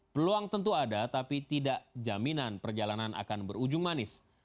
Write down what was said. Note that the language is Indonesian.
peluang tentu ada tapi tidak jaminan perjalanan akan berujung manis